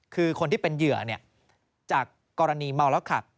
คือคนที่เป็นเหยื่อจากกรณีเมาแล้วขับ